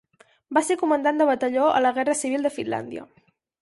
Va ser comandant de batalló a la Guerra Civil de Finlàndia.